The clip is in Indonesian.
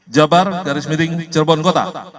jabar garis miring cerbon kota